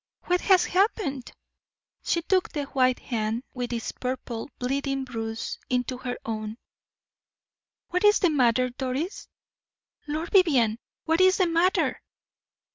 What has happened?" She took the white hand, with its purple, bleeding bruise, into her own. "What is the matter, Doris? Lord Vivianne, what is the matter?"